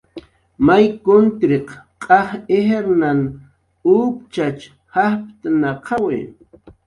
May kutriq q'aj ijrnan uptxach jajptnaqawi